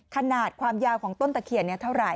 ขนาดความยาวของต้นตะเคียนเท่าไหร่